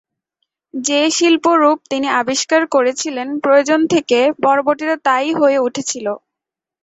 যে শিল্পরূপ তিনি আবিষ্কার করেছিলেন প্রয়োজন থেকে, পরবর্তীতে তা-ই হয়ে উঠেছিল।